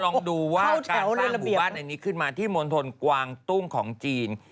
ลองดูว่าการสร้างหมู่บ้านในนี้ขึ้นมาที่มณฑลกวางตุ้งของจีน